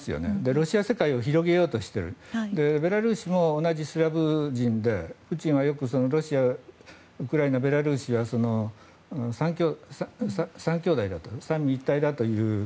ロシア世界を広げようとしているベラルーシも同じスラブ人でプーチンはよくロシアウクライナ、ベラルーシは３きょうだいだと三位一体だという。